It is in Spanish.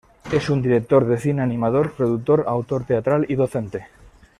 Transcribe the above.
Es un director de cine, animador, productor, autor teatral y docente.